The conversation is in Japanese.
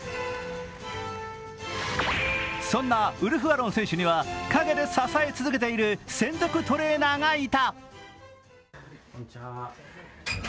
そんなウルフ・アロン選手には陰で支え続けている専属トレーナーがいた。